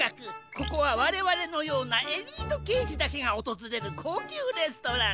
ここはわれわれのようなエリートけいじだけがおとずれるこうきゅうレストラン。